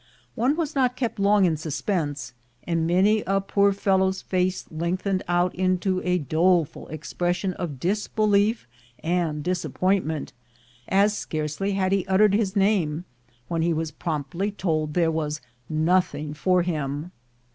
One was not kept long in suspense, and many a poor fellow's face lengthened out into a doleful expression of disbelief and disappointment, as, scarcely had he uttered his name, when he wasi promptly told there was nothing for him.